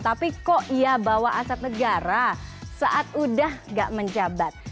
tapi kok ia bawa aset negara saat udah gak menjabat